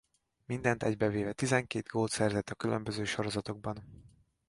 Mindent egybevéve tizenkét gólt szerzett a különböző sorozatokban.